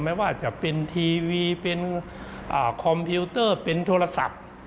ไม่ว่าจะเป็นทีวีเป็นคอมพิวเตอร์เป็นโทรศัพท์